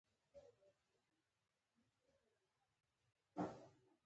منډه بدن تازه ساتي